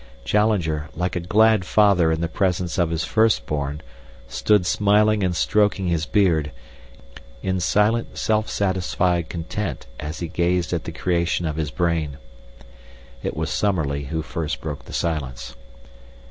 Challenger, like a glad father in the presence of his first born, stood smiling and stroking his beard, in silent, self satisfied content as he gazed at the creation of his brain. It was Summerlee who first broke the silence.